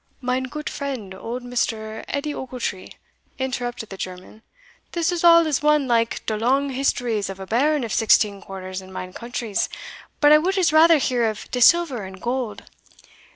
"Mine goot friend, old Mr. Edie Ochiltree." interrupted the German, "this is all as one like de long histories of a baron of sixteen quarters in mine countries; but I would as rather hear of de silver and gold."